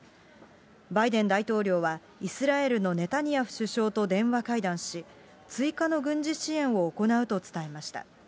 バイデン大統領は、イスラエルのネタニヤフ首相と電話会談し、追加の軍事支援を行うと伝えました。